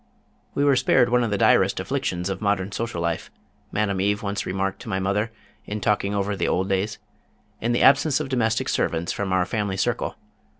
"We were spared one of the direst afflictions of modern social life," Madame Eve once remarked to my mother, in talking over the old days, "in the absence of domestic servants from our family circle.